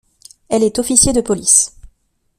Elle est officier de police.